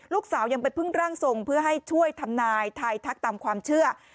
ยังไปพึ่งร่างทรงเพื่อให้ช่วยทำนายทายทักตามความเชื่อ